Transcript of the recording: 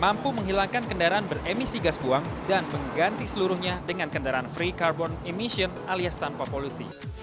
mampu menghilangkan kendaraan beremisi gas buang dan mengganti seluruhnya dengan kendaraan free carbon emission alias tanpa polusi